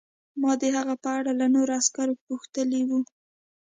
ما د هغه په اړه له نورو عسکرو پوښتلي وو